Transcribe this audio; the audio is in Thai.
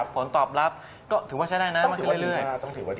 ผลตอบรับก็ถือว่าใช้ได้นะถือว่าเรื่อย